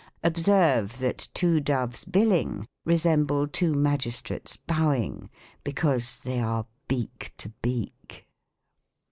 Observe, that two doves billing resemble two magis trates bowing; — because they are beak to beak.